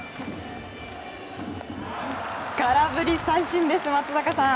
空振り三振です、松坂さん。